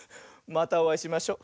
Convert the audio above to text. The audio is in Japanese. またおあいしましょ。